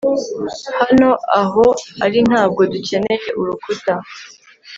hano aho ari ntabwo dukeneye urukuta